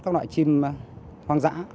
các loại chim hoang dã